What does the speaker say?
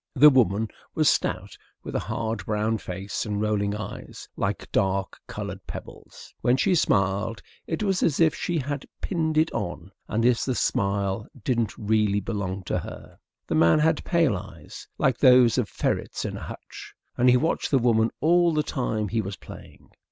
The woman was stout, with a hard brown face and rolling eyes like dark coloured pebbles. When she smiled it was as if she had pinned it on, and as if the smile didn't really belong to her. The man had pale eyes, like those of ferrets in a hutch, and he watched the woman all the time he was playing.